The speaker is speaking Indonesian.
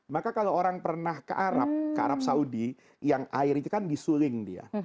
maka kalau orang pernah ke arab ke arab saudi yang air itu kan disuling dia